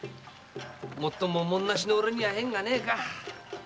もっとも文無しの俺には縁がないか。